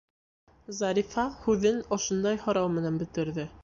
Зарифа һүҙен ошондай һорау менән бөтөрҙө.